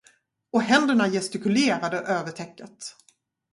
Och händerna gestikulerade över täcket.